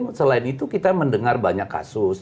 nah selain itu kita mendengar banyak kasus